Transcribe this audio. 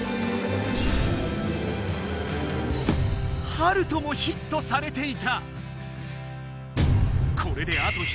ハルトもヒットされていた。